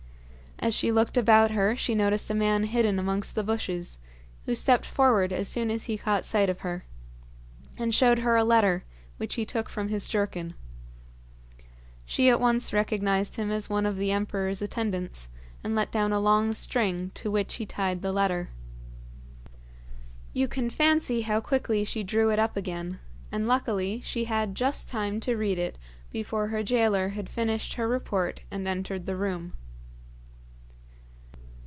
As she looked about her she noticed a man hidden amongst the bushes, who stepped forward as soon as he caught sight of her, and showed her a letter, which he took from his jerkin. She at once recognised him as one of the emperor's attendants, and let down a long string, to which he tied the letter. You can fancy how quickly she drew it up again, and luckily she had just time to read it before her gaoler had finished her report and entered the room.